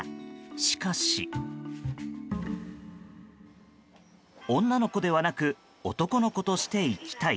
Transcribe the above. しかし、女の子ではなく男の子として生きたい。